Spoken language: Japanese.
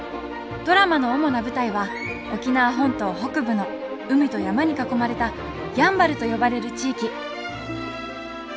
ドラマの主な舞台は沖縄本島北部の海と山に囲まれた「やんばる」と呼ばれる地域。